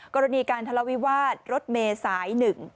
กรณีการทะเลาวิวาสรถเมย์สาย๑